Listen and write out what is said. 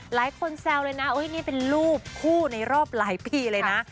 แซวเลยนะนี่เป็นรูปคู่ในรอบหลายปีเลยนะ